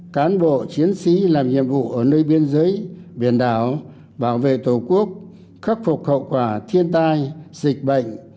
cán bộ chiến sĩ làm nhiệm vụ ở nơi biên giới biển đảo bảo vệ tổ quốc khắc phục hậu quả thiên tai dịch bệnh